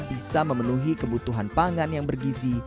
bisa memenuhi kebutuhan pangan yang bergizi